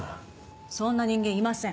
そんな人間いません。